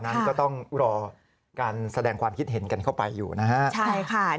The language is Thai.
นั้นก็ต้องรอการแสดงความคิดเห็นกันเข้าไปอยู่นะฮะใช่ค่ะ